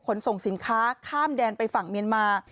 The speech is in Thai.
ส่งสินค้าข้ามแดนไปฝั่งเมียนมา